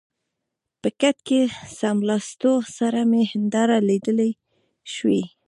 په کټ کې له څملاستو سره مې هنداره لیدلای شوای.